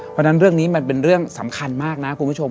เพราะฉะนั้นเรื่องนี้มันเป็นเรื่องสำคัญมากนะคุณผู้ชม